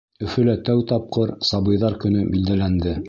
Өфөлә тәү тапҡыр Сабыйҙар көнө билдәләнде.